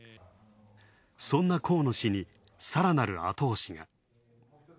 そんな河野氏に更なる後押しが。